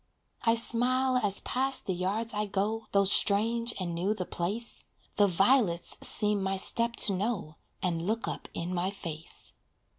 I smile as past the yards I go, Though strange and new the place, The violets seem my step to know, And look up in my face.